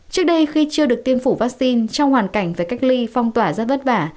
trước đây khi chưa được tiêm phủ vaccine trong hoàn cảnh về cách ly phong tỏa rất vất vả